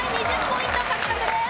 ２０ポイント獲得です。